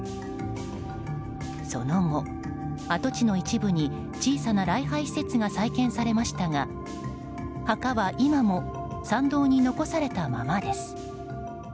その後、跡地の一部に小さな礼拝施設が再建されましたが墓は今も参道に残されたままです。